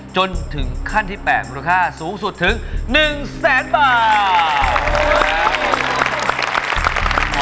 จนถึงขั้นที่๘มูลค่าสูงสุดถึง๑แสนบาท